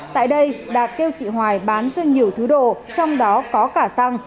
tại đây đạt kêu chị hoài bán cho nhiều thứ đồ trong đó có cả xăng